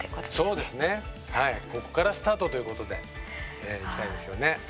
ここからスタートということでいきたいですよね。